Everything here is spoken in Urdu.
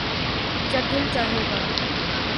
جب دل چاھے گا